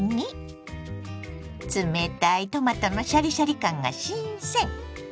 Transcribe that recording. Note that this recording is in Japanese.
冷たいトマトのシャリシャリ感が新鮮！